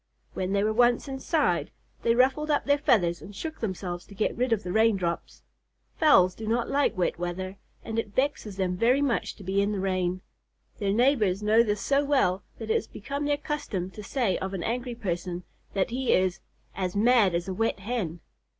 When they were once inside, they ruffled up their feathers and shook themselves to get rid of the rain drops. Fowls do not like wet weather, and it vexes them very much to be in the rain. Their neighbors know this so well that it has become their custom to say of an angry person that he is "as mad as a wet Hen."